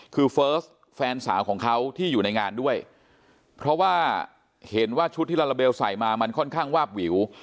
คือเฟิร์สแฟนสาวของเขาที่อยู่ในงานด้วยเพราะว่าเห็นว่าชุดที่ลาลาเบลใส่มามันค่อนข้างวาบวิว